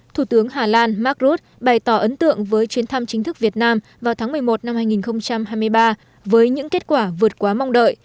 thủ tướng hà lan mark rutte bày tỏ ấn tượng với chuyến thăm chính thức việt nam vào tháng một mươi một năm hai nghìn hai mươi ba với những kết quả vượt quá mong đợi